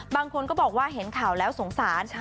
บางคนก็บอกว่าเห็นข่าวแล้วสงสาร